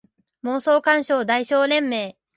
妄想感傷代償連盟